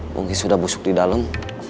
mungkin sudah busuk di dalam